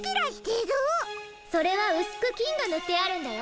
それはうすくきんがぬってあるんだよ。